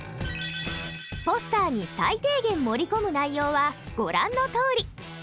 ポスターに最低限盛り込む内容はご覧のとおり。